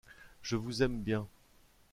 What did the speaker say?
Je vous aime bien.